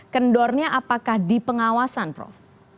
kendornya apakah di pengawasan prof